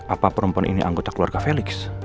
apa perempuan ini anggota keluarga felix